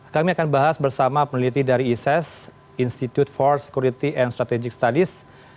kami akan bahas bersama peneliti dari ises institute for security and strategic studies